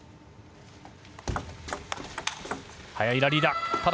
速いラリーだ。